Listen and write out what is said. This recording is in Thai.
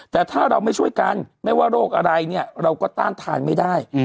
แต่ถ้าเราไม่ช่วยกันไม่ว่าโรคอะไรเนี่ยเราก็ต้านทานไม่ได้